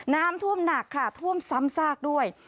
น้ำท่วมหนักค่ะท่วมซ้ำซากด้วย